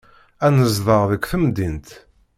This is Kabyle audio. Ad nezdeɣ deg temdint.